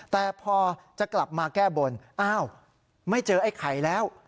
แต่พอจะกลับมาแก้บนอ้าวไม่เจอไอ้ไข่แล้ว